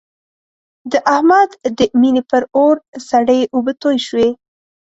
د احمد د مینې پر اور سړې اوبه توی شوې.